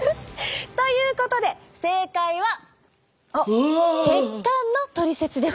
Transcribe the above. ということで正解は血管のトリセツです。